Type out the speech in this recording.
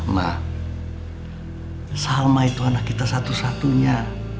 ma salma itu anak kita satu satunya